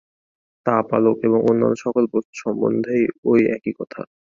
তাপ, আলোক এবং অন্যান্য সকল বস্তু সম্বন্ধেও ঐ একই কথা।